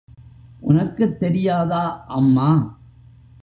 உனக்குத் தெரியாதா அம்மா?